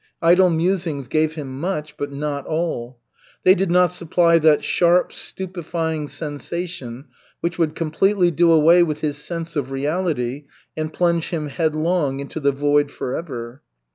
Idle musings gave him much, but not all. They did not supply that sharp, stupefying sensation which would completely do away with his sense of reality and plunge him headlong into the void forever.